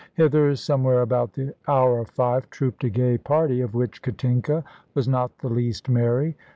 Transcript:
Hither, somewhere about the hour of five, trooped a gay party, of which Katinka was not the least merry.